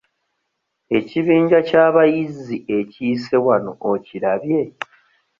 Ekibinja ky'abayizzi ekiyise wano okirabye?